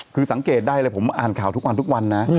คือสังเกตได้เลยผมอ่านข่าวทุกวันทุกวันนะ